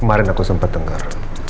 kemarin aku sempet denger